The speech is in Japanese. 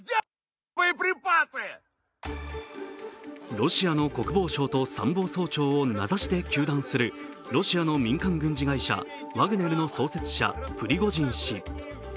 ロシアの国防相と参謀総長を名指しで糾弾するロシアの民間軍事会社・ワグネルの創設者・プリゴジン氏。